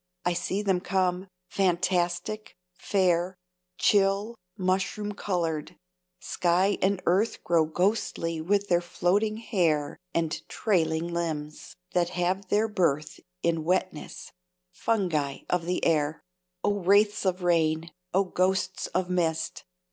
I see them come; fantastic, fair; Chill, mushroom colored: sky and earth Grow ghostly with their floating hair And trailing limbs, that have their birth In wetness fungi of the air. O wraiths of rain! O ghosts of mist!